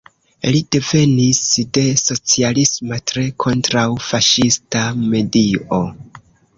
Li devenis de socialisma, tre kontraŭ-faŝista medio.